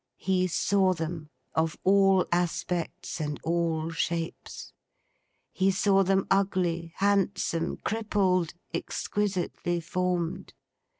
He saw them, of all aspects and all shapes. He saw them ugly, handsome, crippled, exquisitely formed.